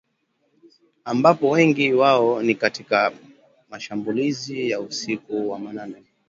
ambapo wengi wao ni katika mashambulizi ya usiku wa manane